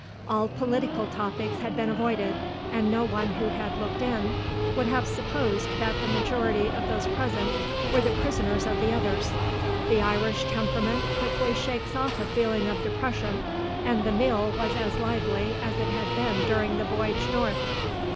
All political topics had been avoided, and no one who had looked in would have supposed that the majority of those present were the prisoners of the others. The Irish temperament quickly shakes off a feeling of depression, and the meal was as lively as it had been during the voyage north.